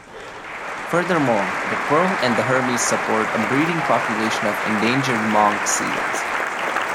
Furthermore, the Pearl and Hermes support a breeding population of endangered monk seals.